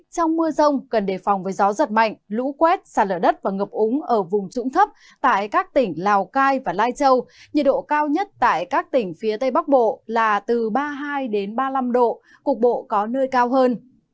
trong mưa rông cần đề phòng với gió giật mạnh lũ quét sạt lở đất và ngập úng ở vùng trũng thấp tại các tỉnh lào cai và lai châu nhiệt độ cao nhất tại các tỉnh phía tây bắc bộ là từ ba mươi hai ba mươi năm độ cục bộ có nơi cao hơn